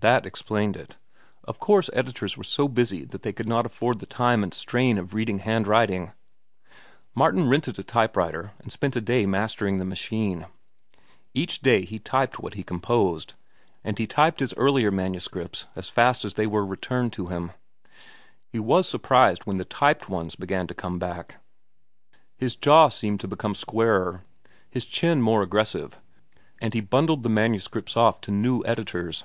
That explained it. Of course editors were so busy that they could not afford the time and strain of reading handwriting. Martin rented a typewriter and spent a day mastering the machine. Each day he typed what he composed, and he typed his earlier manuscripts as fast as they were returned him. He was surprised when the typed ones began to come back. His jaw seemed to become squarer, his chin more aggressive, and he bundled the manuscripts off to new editors.